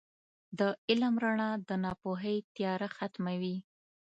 • د علم رڼا د ناپوهۍ تیاره ختموي.